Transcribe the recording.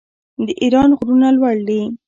د ایران غرونه لوړ دي.